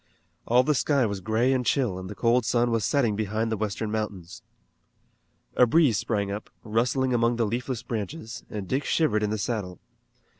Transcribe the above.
All the sky was gray and chill and the cold sun was setting behind the western mountains. A breeze sprang up, rustling among the leafless branches, and Dick shivered in the saddle.